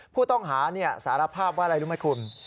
ผู้ต้องหาสารภาพว่าอะไรรู้ไหมคุณ